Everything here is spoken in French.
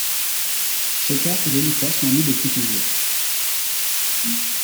Shekhar et Lolita sont amis depuis toujours.